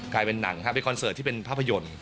หนังครับเป็นคอนเสิร์ตที่เป็นภาพยนตร์